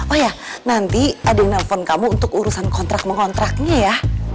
oh ya nanti ada yang nelfon kamu untuk urusan kontrak mengontraknya ya